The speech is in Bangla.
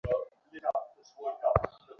কেন আসবে না।